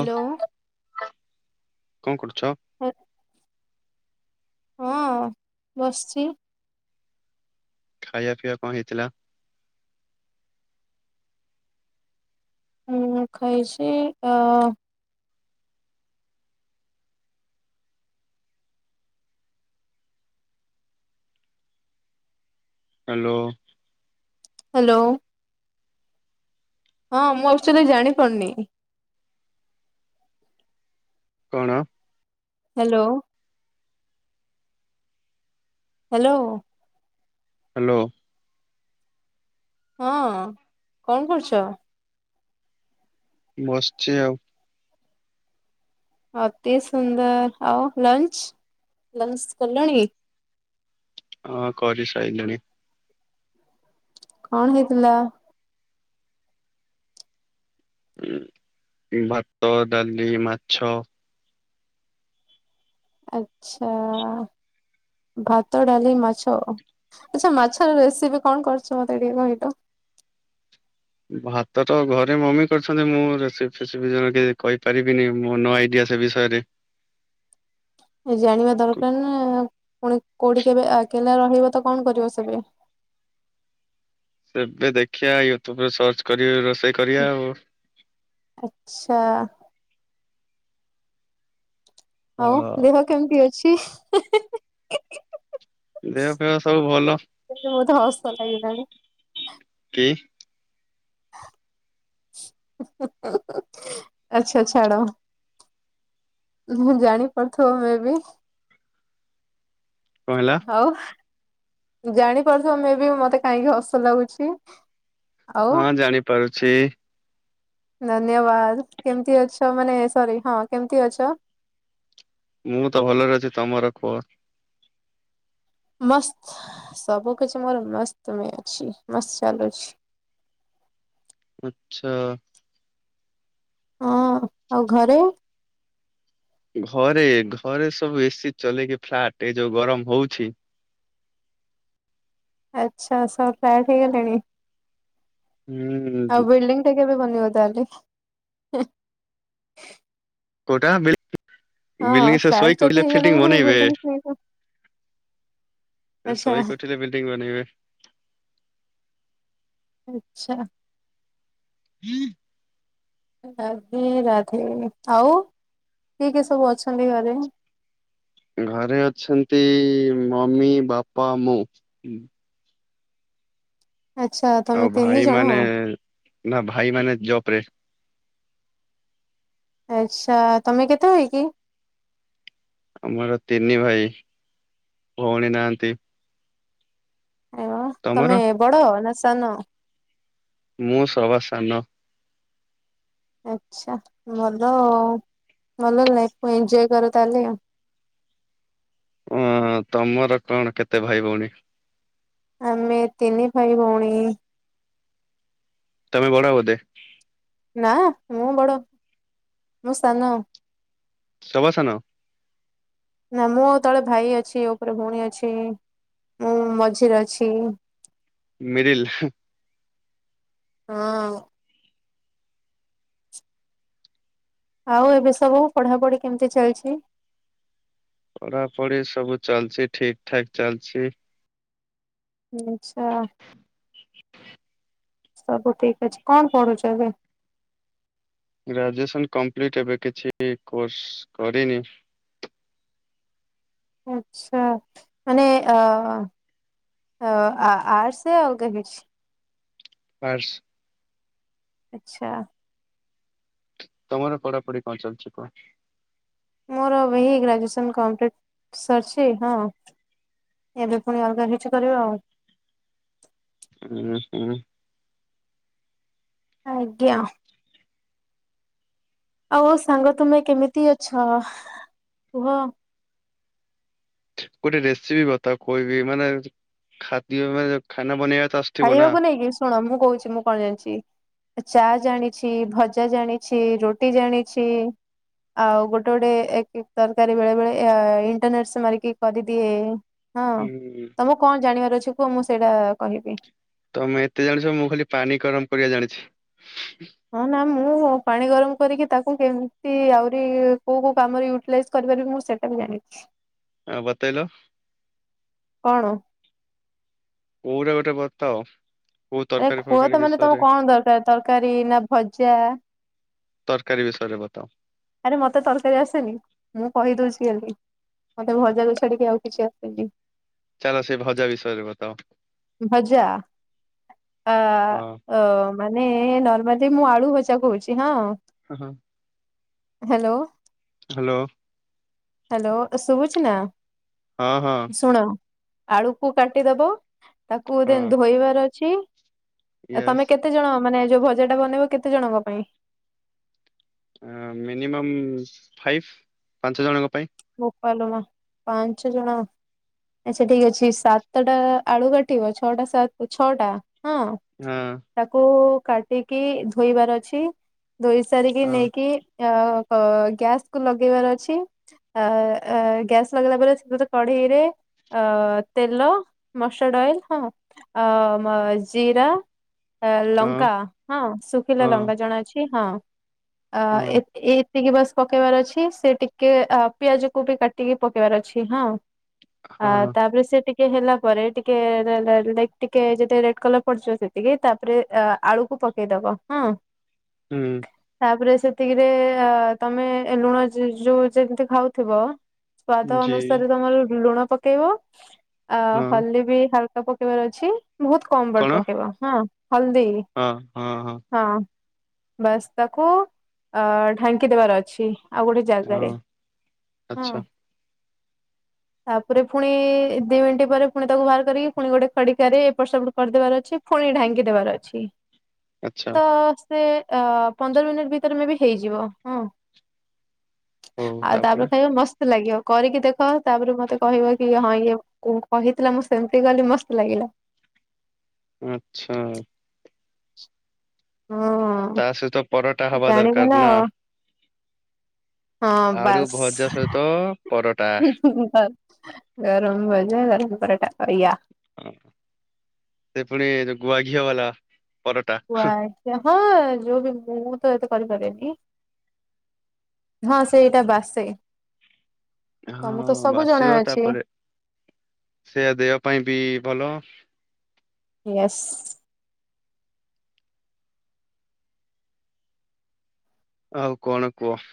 ଓ କଣ କରୁଚ? ଏ। ହଁ ବସିଛି। ଖାଇବାପିଇବା କଣ ହେଇଥିଲା? ମୁଁ ଖାଇଛି ଅ ହ୍ୟାଲୋ। ହ୍ୟାଲୋ। ହଁ ମୁଁ ଆକ୍ଚୁଆଲି ଜାଣି ପାରୁନି। କଣ? ହ୍ୟାଲୋ। ହ୍ୟାଲୋ। ହ୍ୟାଲୋ। ହଁ କଣ କରୁଛ? ବସିଚି ଆଉ। ଅତି ସୁନ୍ଦର। ଆଉ ଲଞ୍ଚ ଲଞ୍ଚ କଲଣି? ହଁ କରି ସାଇଲିଣି। କଣ ହେଇଥିଲା? ଭାତ, ଡାଲି, ମାଛ। ଆଚ୍ଛା। ଭାତ, ଡାଲି, ମାଛ। ଆଛା ମାଛର ରେସିପି କଣ କରିଛ ମତେ ଟିକେ କହିଲ। ଭାତ ତ ଘରେ ମମି କରିଛନ୍ତି। ମୁଁ ରୋଷେଇ ଫୋଷେଇ ବିଷୟରେ କିଛି କହିପାରିବିନି ନେ ଆଇଡିଆ। ସେ ବିଷୟରେ ଜାଣିବା ଦରକାର ନା। ପୁଣି କୋଉଠି କେବେ ଆକେଲା ରହିବ ତ କଣ କରିବ ସେବେ। ଏବେ ଦେଖିବା ୟୁଟ୍ୟୁବରେ ସର୍ଚ୍ଚ କରି ରୋଷେଇ କରିବା ଆଉ। ଆଛା। ହଉ ଦେହ ହଁ କେମିତି ଅଛି? ଦେହ ଫେହ ସବୁ ଭଲ ମତେ ବହୁତ ହସ ଲାଗିଲାଣି। କି। ଆଛା ଛାଡ। ମୁଁଜାଣି ପାରୁଥିବ ମେ ବି। କଣ ହେଲା? ହଉ ଜାଣିପାରୁଥିବମେ ବି ମତେ କାହିଁକି ହସ ଲାଗୁଛି। ଆଉ ହଁ ଜାଣି ପାରୁଛି। ଧନ୍ୟବାଦ କେମତି ଅଛ ମାନେ ସରି ହଁ କେମତି ଅଛ। ମୁଁ ତ ଭଲରେ ଅଛି ତମର କୁହ। ମସ୍ତ ସବୁ କିଛି ମୋର ମସ୍ତମେ ଅଛି ମସ୍ତ ଚାଲୁଛି। ଆଛା। ହଁ ଆଉ ଘରେ। ଘରେ ଘରେ ସବୁ ଏସିୀ ଚଲେେଇକି ଫ୍ଲାଟ ଏ ଯୋଉ ଗରମ ହଉଛି। ଆଚ୍ଛା ସବୁ ଫ୍ଲାଟ ହେଇଗଲେଣି। ହୁଁ। ଆଉ ବିଲ୍ଡିଂ ଟା କେବେ ବନେଇିବ ତାହେଲେ। କୋଉଟା ହଁ ବିଲିଣ୍ଡିଙ୍ଗ ସେ ଫ୍ଲାଟ ଶୋଇକ ଯଦି ଉଠିଲେ ହେଇଗଲାଣି ଫିଲ୍ଡିଂ ପୁଣି ବନେଇବେ। ବିଲ୍ଡିଂ ସେ ଆଚ୍ଛା ଶୋଇକି ଉଠିଲେ ବିଲ୍ଡିଂ ବନେଇବେ। ଆଛା। ହୁଁ ରାଧେ ରାଧେ ଆଉ କିଏ କି ସବୁ ଅଛନ୍ତି ଘରେ? ଘରେ ଅଛନ୍ତି ମମି ବାପା ମୁଁ। ଆଚ୍ଛା। ତମେ ଆଉ ତିନି ଭାଇ ଜଣ ମାନେ ନା ଭାଇ ମାନେ ଜବ ରେ। ଆଚ୍ଛା ତମେ କେତେ ଭାଇ କି? ଆମର ତିନି ଭାଇ ଭଉଣୀ ନାହାନ୍ତି। ଏ ତମର ତମେ ବଡ଼ ନା ସାନ? ମୁଁ ସବାସାନ। ଆଛା ଭଲ ଭଲ ଲାଇଫକୁ ଏଞଜୟ କର ତାହେଲେ ଆଉ ଓ ତମର କଣ କେତେ ଭାଇ ଭଉଣୀ? ଆମେ ତିନି ଭାଇ ଭଉଣୀ। ତମେ ବଡ଼ ବଧେ? ନା ମୁଁ ବଡ ମୁ ସାନ। ସଭାସାନ। ନା ମୁଁ ଆଉ ତଳେ ଭାଇ ଅଛି ଉପରେ ଭଉଣୀ ଅଛି। ମୁଁ ମଝିରେ ଅଛି। ମିଡିଲ। ହଁ। ଆଉ ଏବେ ସବୁ ପଢାପଢି କେମିତି ଚାଲିଛି? ପଢା ପଢି ସବୁ ଚାଲଛି ଠିକ ଠାକ ଚାଲିଛି। ଆଚଛା ସବୁ ଠିକ ଅଛି କଣ ପଢୁଛ ଏବେ? ଗ୍ରାଜୁଏସନ୍ କମ୍ପ୍ଲିଟ ଏବେ କିଛି କୋର୍ସ କରିନି। ଆଚ୍ଛା ମାନେ ଅ ଅ ଆଟର୍ସ [inaudible] ଆର୍ଟ୍ସ। ଆଛା। ତମର ପଢାପଢି କଣ ଚାଲିଛି କୁହ? ମୋର ଏହି ଗ୍ରାଜୁଏସନ୍ କମ୍ପ୍ଲିଟ୍ ସରିଛି ହଁ। ଏବେ ପୁଣି ଅଲଗା କିଛି କରିବା ଆଉ। ହୁଁ ହୁଁ। ଆଜ୍ଞା। ଆଉ ସାଙ୍ଗ ତୁମେ କେମିତି ଅଛ କୁହ? ଗୋଟେ ରେସିପି ଥାଉ କହି ବିି ମାନେ ଖାଦ୍ୟ ମାନେ ଖାନା ବନେଇବା। ତ ଆସୁଥିବ ନା। ଖାଇବାକୁ ନେଇକି ଶୁଣ ମୁଁ କହୁଛି ମୁଁ କଣ ଜାଣିଛି। ଚା ଜାଣିଛି ଭଜା ଜାଣିଛି ରୁଟି ଜାଣିଛି। ଆଉ ଗୋଟେ ଗୋଟେ ଏକ ତରକାରୀ ବେଳେ ବେଳେ ଇଣ୍ଟରନେଟ ସେ ମାରିକି କରିଦିଏ। ହଁ ହୁଁ ତମକୁ କଣ ଜାଣିବାର ଅଛି କୁହ ମୁଁ ସେଇଟା କହିବି। ତମେ ଏତେ ଜାଣିଛ ମୁଁ ଖାଲି ପାଣି ଗରମ କରିବା ଜାଣିଛି। ହଁ ନା ମୁଁ ପାଣି ଗରମ କରିକି ତାକୁ କେମିତି ଆହୁରି କୋଉ କୋଉ କାମରେ ୟୁଟିଲାଇଜ। କରିବା ବି ମୁଁ ସେଇଟା ବି ଜାଣିଛି। ହଁ ବତେଇଲ। କଣ? କୋଉଟା ଗୋଟେ ବତ୍ତ। ଆରେ ଖୁଅ ତ ମାନେ ତମ କଣ ଦରକାର ତରକାରୀ ନା ଭଜା। ତରକାରୀ ବିଷୟରେ ବତାଅ। ଆରେ ମତେ ତରକାରୀ ଆସେନି। ମୁଁ କହିଦୋଉଚି ହେଲି। ମତେ ଭଜାକୁ ଛାଡିକି ଆଉ କିଛି ଆସେନି। ଚାଲ ସେ ଭଜା ବିଷୟରେ ବତାଅ। ଭଜା ଆ ହଁ ମାନେ ନର୍ମାଲି ମୁଁ ଆଳୁ ଭଜା କହୁଚି ହଁ। ଅ ହଁ। ହାଲୋ। ହାଲୋ। ହାଲୋ ଶୁଭୁଚି ନା? ହଁ ହଁ। ଶୁଣ ଆଳୁକୁ କାଟିଦବ ତାକୁ ହଁ। ଧୋଇବାର ଅଛି। ୟେସ୍ ତମେ କେତେ ଜଣ ମାନେ ଯୋଉ ଭଜା ଟା ବନେଇବ କେତେ ଜଣଙ୍କ ପାଇଁ? ମିନିମମ୍ ଫାଇଭ୍ ପାଞ୍ଚ ଜଣଙ୍କ ପାଇଁ। ବୋପାଲୋ ମା ପାଞ୍ଚ ଜଣ। ଆଚ୍ଛା ଠିକ୍ ଅଛି ସାତଟା ଆଳୁ କାଟିବ ଛଅଟା ସାତ ଛଅଟା ହଁ। ହଁ। ତାକୁ କାଟିକି ଧୋଇବାର ଅଛି। ଧୋଇ ସାରିକି ହଁ ନେଇକି ଆ ଗ ଗ୍ୟାସ୍ କୁ ଲଗେଇବାର ଅଛି। ଆ ଆ ଗ୍ୟାସ୍ ଲଗେଇଲା ପରେ ସେଗୋଟେ କଢେଇରେ ଅ ତେଲ ମସ୍ ଡାଇଲ୍ ହଁ ଜିରା ହଁ। ଲଙ୍କା ହଁ ଶୁଖିଲା ଲଙ୍କା ଜଣା ଅଛି ହଁ ଅ ଏ ଏତିକି ବାସ୍ ପକେଇବାର ଅଛି। ସେ ଟିକିଏ ପିଆଜ କୁ ବି କାଟିକି ପକେଇବାର ଅଛି। ହଁ। ଆ ତାପରେ ସେ ଟି ଟିକିଏ ହେଲା ପରେ ଟିକିଏ ଟିକିଏ ଯେ ରେଡ କଲର ପଡିଯିବ ସେତିକି ତାପରେ ଆଳୁକୁ ପକ ପକେଇଦବ। ହଁ। ହୁଁ। ତାପରେ ସେତିକିରେ ତମେ ଲୁଣଯ ଯୋଉ ଯେମିତି ଖାଉଥିବ ସ୍ଵାଦ ଅନୁସାରେ ତମର ଲୁଣ ପକେଇବ। ଆ ହଲଦି ବି ହାଲକା ପକେ କେଇବାର ଅଛି ବହୁତ କମ ବଟ କଣ ହଁ ପକେଇବ। ହଁ ହଳଦୀ। ହଁ ହଁହଁ। ହଁ ବାସ୍ ତାକୁ ଆ ଢାଙ୍କି ଦେବାର ଅଛି ଆଉ ଗୋଟେ ଜାଗାରେ। ହଁ ହଁ ଆଚ୍ଛା। ତାପରେ ପୁଣି ଦି ମିନିଟି ପରେ ପୁଣି ତାକୁ ବାହାର କରିକି ପୁଣି ଗୋଟେ ଖଡିକାରେ ଏପଟ ସେପଟ କରିଦେବାର ଅଛି। ପୁଣି ଢାଙ୍କି ଦେବାର ଅଛି। ଆଚ୍ଛା ତ ସେ ଅ ପନ୍ଦର ମିନିଟ ଭିତେରେ ମେଁ ବି ହେଇଯିବ। ହଁ। ଆଉ ତାପରେ ଖାଇବା ମସ୍ତ ଲାଗିବ। କରିକି ଦେଖ ତାପରେ ମତେ କହିବ କି ହଁ ଇଏ କୁ କହିଥିଲା ମୁଁ ସେମିତି ଗଲି ମସ୍ତ ଲାଗିଲା। ଆଁଚ୍ଛା। ହଁ। ସେ ତ ପରଟା ହବା ଜାଣିଗଲା ଦରକାର ଆଉ ନାଁ? ହଁ ଆଡୁ ଭଜା ସହିତ ପରଟା ହୁଁ ହୁଁ ଆ ଗରମ ଭଜା ଗରମ ପରଟା ବଢିଆ। ହଁ ସେ ପୁଣି ଯୋଉ ଗୁଆ ଘିଅ ବାଲା ପରଟା ଗୁଆ ଘିଅ ହଁ ଯୋଉ ବି ମୁଁ ତ ଏତେ କରିପାରେକି? ହଁ ସେଇଟା ବାସେ ତମକୁ ତ ହଁ ସବୁ ଜଣା ଅଛି। ସେଆ ଦେହ ପାଇଁ ବି ଭଲ। ୟସ୍। ଆଉ କଣ କୁହ?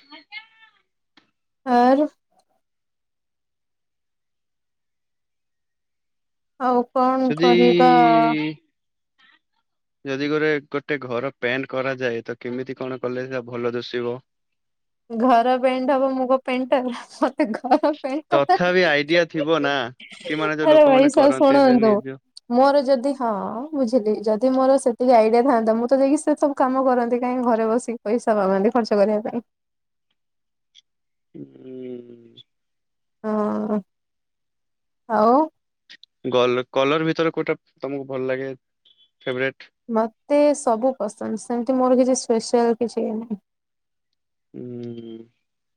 ଆର ଆଉ କଣ ଯଦି କରିବା। ଯଦି ଗୋଟ ଗୋଟେ ଘର ପ୍ୟାଣ୍ଟ କରାଯାଏ ତ କେମିତି କଣ କଲେ ତା ଭଲ ଦୋଷିବ? ଘର ପେଣ୍ଟ ହବ ମୁଁ କଣ ପେଣ୍ଟର ମତେ ଘର ପେଣ୍ଟ କଥା ତଥାପି ଆଇଡିଆ ଥିବ ନା କି ମାନେ ଯୋଉ ଆରେ ଭାଇ ଲୋକମାନେ ସା କରନ୍ତି ଶୁଣନ୍ତୁ ନିଜ ମୋର ଯଦି ହଁ ବୁଝିଲି ଯଦି ମୋର ସେତିକି ଆଇଡିଆ ଥାଆନ୍ତା ମୁଁ ତ ଯାଇକି ସେ ସବୁ କାମ କରନ୍ତି କାହିଁ ଘରେ ବସିକି ପଇସା ପାଆନ୍ତି ଖର୍ଚ୍ଚ କରିବା ପାଇଁ। ହୁଁ। ହଁ ଆଉ? ଗ କଲର ଭିତରେ କଉଟା ତମକୁ ଭଲ ଲାଗେ ଫେବରେଟ? ମତେ ସବୁ ପସନ୍ଦ ସେମିତି ମୋର କିଛି ସ୍ପେଶାଲ କିଛି ନାହିଁ। ହୁଁ।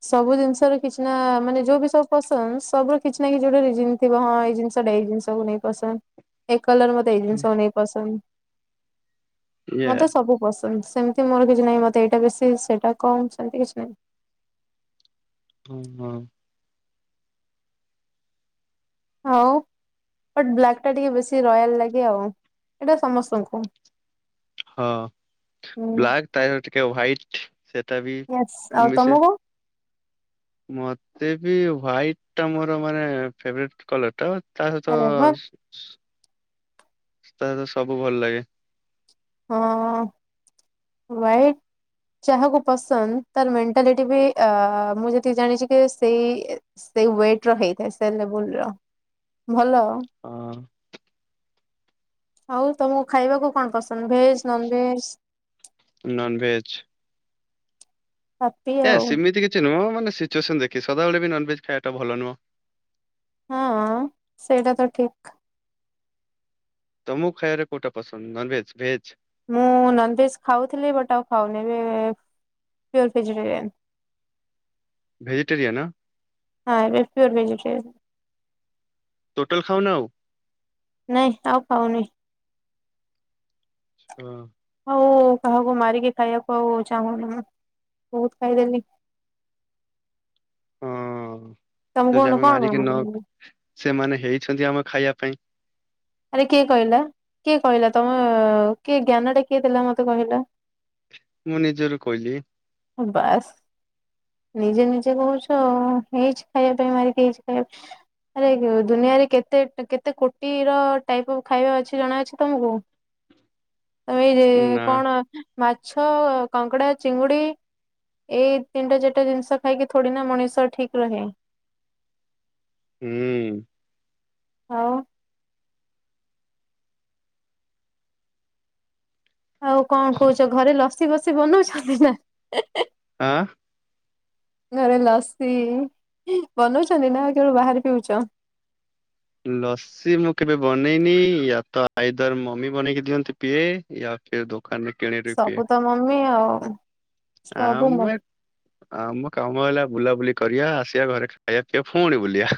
ସବୁ ଜିନିଷ ର କିଛି ନା ମାନେ ଯୋଉ ବି ସବୁ ପସନ୍ଦ ସବୁ କିଛି ନା କିଛି ଗୋଟେ ରିଯିନ ଥିବ ହଁ ଏଇ ଜିନିଷଟା ଏଇ ଜିନିଷକୁୁ ନେଇ ପସନ୍ଦ। ଏ କଲର ମତେ ଏଇ ଜିନିଷକୁ ନେଇ ପସନ୍ଦ ଇଏ ମତେ ସବୁ ପସନ୍ଦ। ସେମିତି ମୋର କିଛି ନାହିଁ ମତେ ଏଇଟା ବେଶୀ ସେଇଟା କମ ସେମିତି କିଛି ନାହିଁ। ହଁ। ଆଉ? ବଟ୍ ବ୍ଲାକ୍ ଟା ଟିକେ ବେଶୀ ରୟାଲ ଲାଗେ ଆଉ ଏଇଟା ସମସ୍ତଙ୍କୁ। ହଁ ହୁଁ। ବ୍ଲାକ୍ ତା ଟିକେ ହୋଆଇଟ୍ ସେଟା ବି ୟେସ୍ ଆଉ ମିସେ। ତମକୁ ମତେ ବି ହ୍ାଇଟ ଟା ମୋର ମାନେ ଫେବେରେଟ କଲର ଟା। ତା ସହିତ ଆରେ ବା ତାର ସବୁ ଭଲ ଲାଗେ। ହଁ ହୋଆଇଟ ଯାହାକୁ ପସନ୍ଦ ତାର ମେଣ୍ଟାଲିଟି ବି ମୁଁ ଯଦି ଜାଣିଛି କି ସେଇ ସେଇ ୱେଟ ରେ ହେଇଥାଏ ସେ ଲେବୁଲ ର ଭଲ ହଁ। ଆଉ ତମକୁ ଖାଇବାକୁ କଣ ପସନ୍ଦ ଭେଜ? Non veg non veg. ହାପି ଏଆ ଆଉ ସେମିତି କିଛି ନୁହଁ ମାନେ ସିଚୁଏସନ୍ ଦେଖ ସଦାବେଳେ ବି ନନେଜ ଖାଇବାଟା ଭଲ ନୁହଁ। ହଁ ସେଇଟା ତ ଠିକ। ତମ କୁ ଖାଇବାରେ କୋଉଟା ପସନ୍ଦ ନନଭେଜ ଭେଜ? ମୁଁ ନନଭେଜ୍ ଖାଉଥିଲି ବଟ ଆଉ ଖାଉନି ଏବେ ପିଓର ଭେଜିଟେରିଆନ୍। ଭେଜିଟେରିୟନ? ହଁ ଏବେ ପିଓର ଭେଜଜିଟେରିୟନ୍। ଟୋଟାଲ ଖାଉ ନା ଆଉ? ନାଇଁ ଆଉ ଖାଉନି। [unintelligible] ଆଉ କାହାକୁ ମାରିକି ଖାଇବାକୁ ଆଉ ଚାହୁଁନି ମୁଁ ବହୁତ ଖାଇଦେଲି। ହଁ, ତମେ ଯଦି କହୁନ ଆମେ କଣ ମାରିକି ନ ସେମାନେ ହେଇଛନ୍ତି ଆମେ ଖାଇବା ପାଇଁ। ଆରେ କିଏ କହିଲା କିଏ କହିଲା ତମେ କିଏ ଜ୍ଞାନ ଟା କିଏ ଦେଲା ମତେ କହିଲ? ମୁଁ ନିଜରୁ କହିଲି। ହଁ ବାସ୍ ନିଜେ ନିଜେ କହୁଛ। ହେଇଛି ଖାଇବା ପାଇଁ ମାରିକି ହେଇଛି ଖାଇବା ଆରେ ଦୁନିଆରେ କେତେ କେତେ କୋଟିର ଟାଇପ୍ ଅଫ୍ ଖାଇବା ଅଛି ଜଣାଅଛି ତୋମକୁ? [unintelligible] ଅ, ଏଇ ଯେ ନା କଣ ମାଛ, କଙ୍କଡା, ଚିଙ୍ଗୁଡି ଏଇ ତିନଟା ଚାଟା ଜିନିଷ ଖାଇକି ଥୋଡି ନା ମଣିଷ ଠିକ ରହେ। ହୁଁ। ଆଉ। ଆଉ କଣ କହୁଛ ଘରେ ଲସି ବସି ବନଉଛନ୍ତି ନା? ଆଁ, ଘରେ ଲସି ବନଉଛନ୍ତି ନା କେବଳ ବାହାରେ ପିଉଛ? ଲସ୍ ସି ମୁଁ କେବେ ବନେଇନି ୟା ତ ଆଇଦରୂ ମମି ବନେଇକି ଦିଅନ୍ତି ପିଏ। ୟା ଫେର୍ ଦୋ ଦାନରୁ କିଣି [unintelligible] ସବୁ ପିଏ। ତ ମମି ଆଉ ସବୁ ଆମେ ମମି ଆମ କାମ ହେଲା ବୁଲାବୁଲି କରିବା ଆସିବା ଘରେ ଖାଇବା ପିଇବା ଫୁଣି ବୁଲିବା।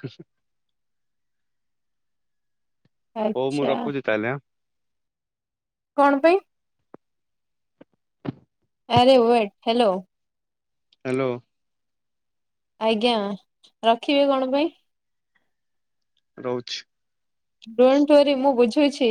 ହଉ ମୁଁ ଆଚ୍ଛା ରଖୁଛି ତାହେଲେ ଆଁ? କଣ ପାଇଁ? ଆରେ ୱେଟ, ହ୍ୟାଲୋ!। ହ୍ୟାଲୋ! ଆଜ୍ଞା! ରଖିବେ କଣ ପାଇଁ? ରହୁଛି। ଡୋଣ୍ଟ ୱରି ମୁଁ ବୁଝୁଛି।